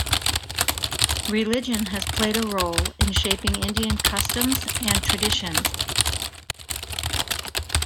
Religion has played a role in shaping Indian customs and traditions.